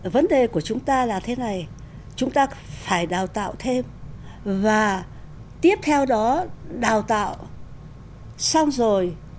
vấn đề của chúng ta là thế này chúng ta phải đào tạo thêm và tiếp theo đó đào tạo xong rồi